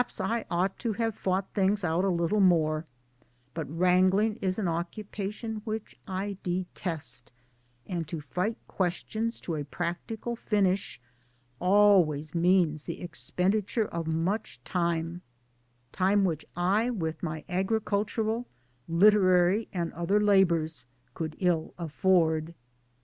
'Perhaps I ought to have fought things out a little more, but wrangling is an occupation which I detest, and to fight questions to a practical finish always means the expenditure of much time time which I with my agricultural, literary and other labours could ill afford.